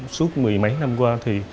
suốt mười mấy năm qua thì